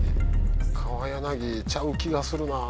川柳ちゃう気がするなぁ。